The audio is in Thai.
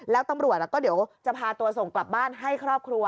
แล้วตำรวจก็เดี๋ยวจะพาตัวส่งกลับบ้านให้ครอบครัว